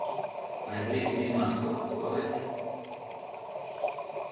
Vai drīkst izmantot tualeti?